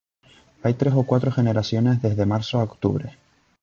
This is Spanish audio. Hay tres o cuatro generaciones desde marzo a octubre.